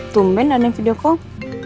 tumpen ada yang video kok